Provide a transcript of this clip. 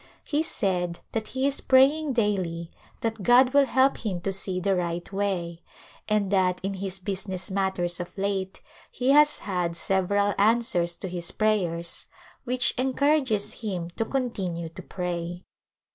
He said that he is praying daily that God will help him to see the right way ; and that in his business matters of late he has had several answers to his prayers which en courages him to continue to pray.